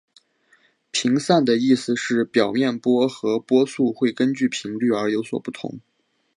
频散的意思是表面波的波速会根据频率而有所不同。